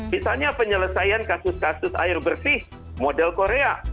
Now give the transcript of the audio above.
misalnya penyelesaian kasus kasus air bersih model korea